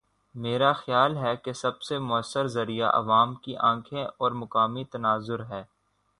میرا خیال ہے کہ سب سے موثر ذریعہ عوام کی آنکھیں اور مقامی تناظر ہے۔